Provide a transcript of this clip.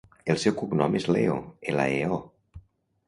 El seu cognom és Leo: ela, e, o.